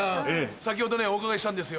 先ほどねお伺いしたんですよ